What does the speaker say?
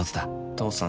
父さん